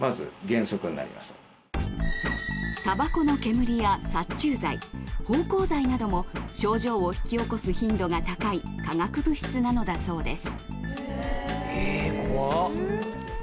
タバコの煙や殺虫剤芳香剤なども症状を引き起こす頻度が高い化学物質なのだそうです